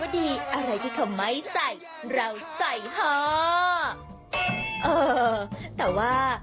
เป็นพี่นีกรเราก็จะมีแบบว่า